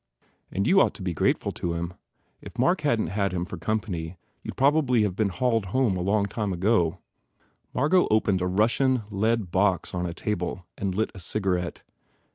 And you ought to be grateful to him. If Mark hadn t had him for company you d probably have been hauled, home long ago." Margot opened a Russian, lead box on a table and lit a cigarette.